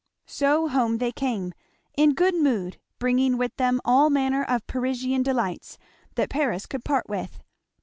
So home they came, in good mood, bringing with them all manner of Parisian delights that Paris could part with.